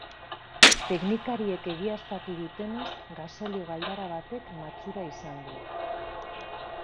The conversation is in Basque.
Teknikariek egiaztatu dutenez, gasolio galdara batek matxura izan du.